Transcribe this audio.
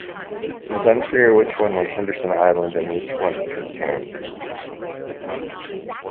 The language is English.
It is unclear which one was Henderson island and which one Pitcairn.